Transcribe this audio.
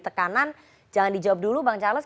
tekanan jangan dijawab dulu bang charles